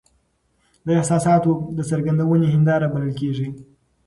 د احساساتو د څرګندوني هنداره بلل کیږي .